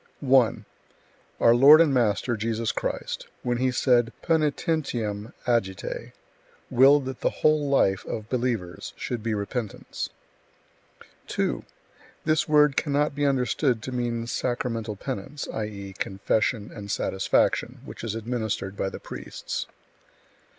1. Our Lord and Master Jesus Christ, when He said Poenitentiam agite, willed that the whole life of believers should be repentance. 2. This word cannot be understood to mean sacramental penance, i.e., confession and satisfaction, which is administered by the priests.